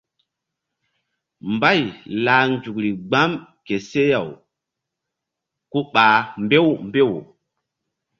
Mbay lah nzukri gbam ke seh-aw ku ɓah mbew mbew.